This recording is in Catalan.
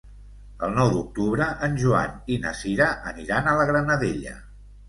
El nou d'octubre en Joan i na Sira aniran a la Granadella.